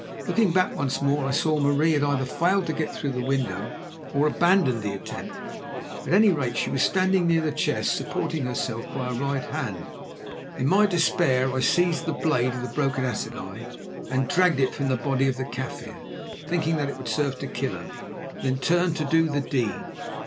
Looking back once more I saw that Marie had either failed to get through the window or abandoned the attempt. At any rate she was standing near the chest supporting herself by her right hand. In my despair I seized the blade end of the broken assegai and dragged it from the body of the Kaffir, thinking that it would serve to kill her, then turned to do the deed.